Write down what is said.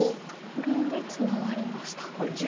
これでツナがりました。